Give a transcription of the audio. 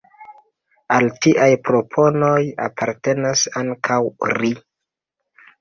Al tiaj proponoj apartenas ankaŭ "ri".